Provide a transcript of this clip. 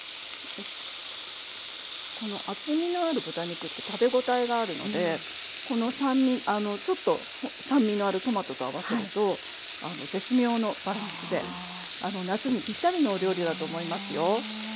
この厚みのある豚肉って食べ応えがあるのでちょっと酸味のあるトマトと合わせると絶妙のバランスで夏にぴったりのお料理だと思いますよ。